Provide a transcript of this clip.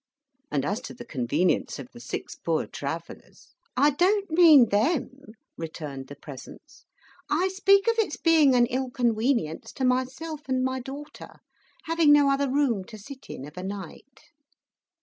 And as to the convenience of the six Poor Travellers " "I don't mean them," returned the presence. "I speak of its being an ill conwenience to myself and my daughter, having no other room to sit in of a night."